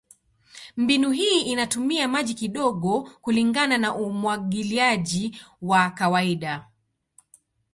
Mbinu hii inatumia maji kidogo kulingana na umwagiliaji wa kawaida.